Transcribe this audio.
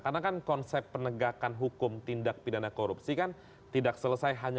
karena kan konsep penegakan hukum tindak pidana korupsi kan tidak selesai hanya